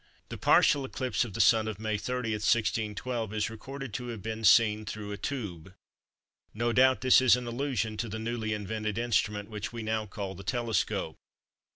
The partial eclipse of the Sun of May 30, 1612, is recorded to have been seen "through a tube." No doubt this is an allusion to the newly invented instrument which we now call the telescope.